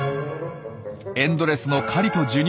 エンドレスの狩りと授乳。